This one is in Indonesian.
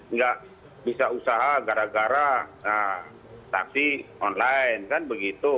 nggak bisa usaha gara gara taksi online kan begitu